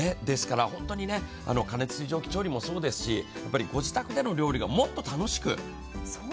ですから、本当に過熱水蒸気調理もそうですし、ご自宅での料理がもっと楽しく。